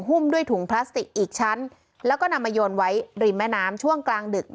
ด้วยถุงพลาสติกอีกชั้นแล้วก็นำมาโยนไว้ริมแม่น้ำช่วงกลางดึก